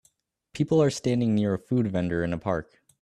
People are standing near a food vendor in a park